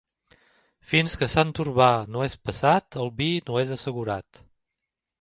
Fins que Sant Urbà no és passat el vi no és assegurat.